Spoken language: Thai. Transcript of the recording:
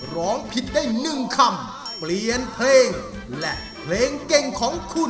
ร้องผิดได้๑คำเปลี่ยนเพลงและเพลงเก่งของคุณ